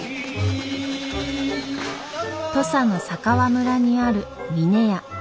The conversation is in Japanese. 土佐の佐川村にある峰屋。